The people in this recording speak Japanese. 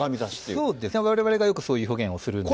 そうですね、われわれがよくそういう表現をするんですけど。